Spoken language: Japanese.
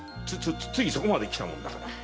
そこまで来たものだから。